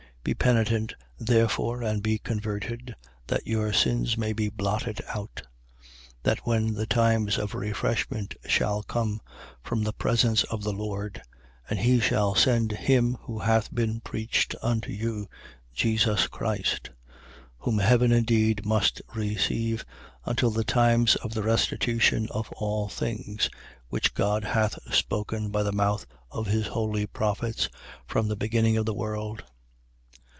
3:19. Be penitent, therefore, and be converted, that your sins may be blotted out. 3:20. That when the times of refreshment shall come from the presence of the Lord, and he shall send him who hath been preached unto you, Jesus Christ. 3:21. Whom heaven indeed must receive, until the times of the restitution of all things, which God hath spoken by the mouth of his holy prophets, from the beginning of the world.